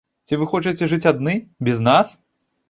Ці вы хочаце жыць адны, без нас?